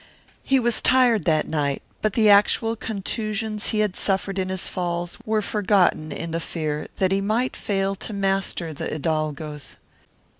He was tired that night, but the actual contusions he had suffered in his falls were forgotten in the fear that he might fail to master the hidalgos.